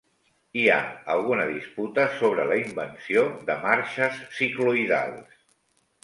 Hi ha alguna disputa sobre la invenció de marxes cicloïdals.